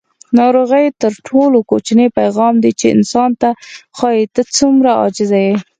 ناروغي تر ټولو کوچنی پیغام دی چې انسان ته ښایي: ته څومره عاجزه یې.